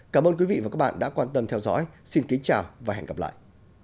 cảm ơn quý vị và các bạn đã quan tâm theo dõi xin kính chào và hẹn gặp lại